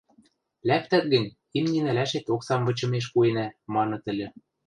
«Лӓктӓт гӹнь, имни нӓлӓшет оксам вычымеш пуэнӓ», – маныт ыльы.